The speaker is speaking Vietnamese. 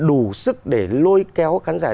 đủ sức để lôi kéo khán giả